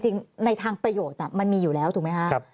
จริงในทางประโยชน์มันมีอยู่แล้วถูกมั้ยคะ